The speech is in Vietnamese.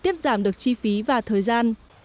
tiết giảm được chi phí và thời gian